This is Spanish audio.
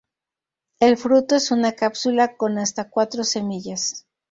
El fruto es una cápsula con hasta cuatro semillas.